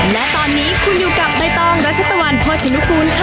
และตอนนี้คุณอยู่กับใบตองรัชตวรรณพจนุภูมิค่ะ